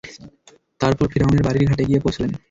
তারপর ফিরআউনের বাড়ির ঘাটে গিয়ে পৌঁছলেন।